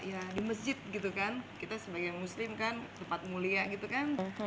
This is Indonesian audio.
ya di masjid gitu kan kita sebagai muslim kan tempat mulia gitu kan